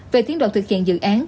về tiến độ thực hiện dự án